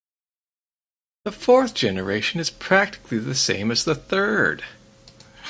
The fourth generation is practically the same as the third.